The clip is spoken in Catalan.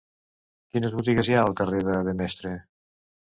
Quines botigues hi ha al carrer de Demestre?